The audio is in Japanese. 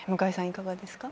いかがですか？